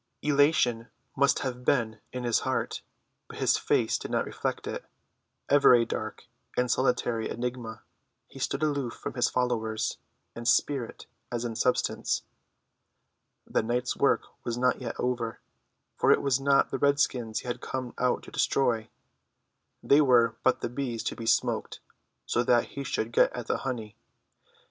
Elation must have been in his heart, but his face did not reflect it: ever a dark and solitary enigma, he stood aloof from his followers in spirit as in substance. The night's work was not yet over, for it was not the redskins he had come out to destroy; they were but the bees to be smoked, so that he should get at the honey.